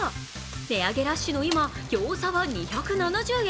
値上げラッシュの今、ギョーザは２７０円。